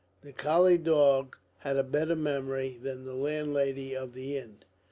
The collie dog had a better memory than the landlady of the inn.